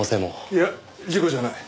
いや事故じゃない。